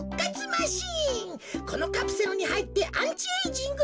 このカプセルにはいってアンチエージング